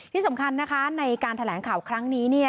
ที่สำคัญนะคะในการแถลงข่าวครั้งนี้เนี่ย